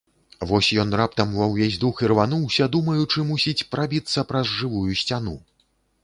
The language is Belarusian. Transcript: Вось ён раптам ва ўвесь дух ірвануўся, думаючы, мусіць, прабіцца праз жывую сцяну.